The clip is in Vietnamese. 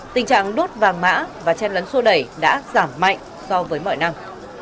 tình trạng đốt vàng mã và chen lấn xô đẩy đã giảm mạnh so với mọi năm